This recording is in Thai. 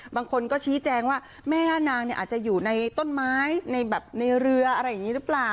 บางคนก็ชี้แจงว่าแม่ย่านางเนี่ยอาจจะอยู่ในต้นไม้ในแบบในเรืออะไรอย่างนี้หรือเปล่า